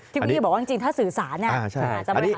นี่บอกว่าบางจริงนะถ้าสื่อสานนี้